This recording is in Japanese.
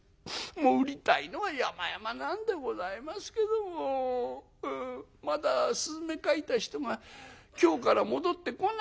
もう売りたいのはやまやまなんでございますけどもうんまだ雀描いた人が京から戻ってこないんですよ。